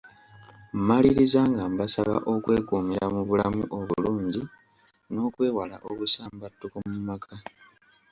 Mmaliriza nga mbasaba okwekuumira mu bulamu obulungi n'okwewala obusambattuko mu maka.